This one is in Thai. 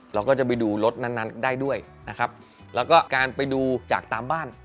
เราก็จะไปดูรถนั้นนั้นได้ด้วยนะครับแล้วก็การไปดูจากตามบ้าน